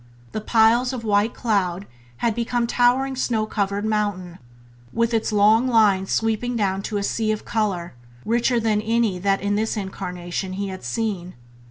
The piles of white cloud had become towering snow covered mountain, with its long line sweeping down to a sea of colour richer than any that in this incarnation he has seen.